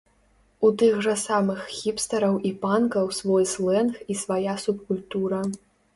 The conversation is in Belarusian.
У тых жа самых хіпстэраў і панкаў свой слэнг і свая субкультура.